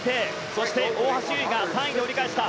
そして大橋悠依が３位で折り返した。